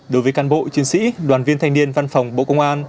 đối với can bộ chuyên sĩ đoàn viên thanh niên văn phòng bộ công an